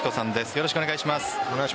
よろしくお願いします。